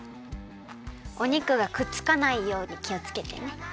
お肉がくっつかないようにきをつけてね。